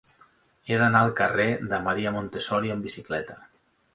He d'anar al carrer de Maria Montessori amb bicicleta.